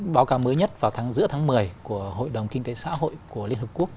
báo cáo mới nhất vào giữa tháng một mươi của hội đồng kinh tế xã hội của liên hợp quốc